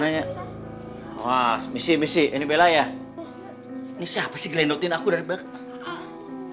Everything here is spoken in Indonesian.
kak gimana ya was misi misi ini bella ya ini siapa sih gendutin aku dari belakang